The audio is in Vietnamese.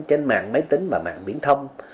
trên mạng máy tính và mạng biển thông